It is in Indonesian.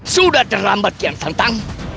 sudah terlambat kian santang